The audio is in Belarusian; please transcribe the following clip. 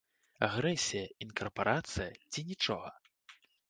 Агрэсія, інкарпарацыя ці нічога?